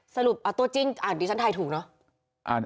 สรุปตัวจริงอ่านดีฉันถ่ายถูกเนอะ